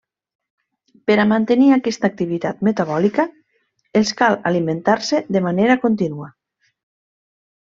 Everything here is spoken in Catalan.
Per a mantenir aquesta activitat metabòlica els cal alimentar-se de manera contínua.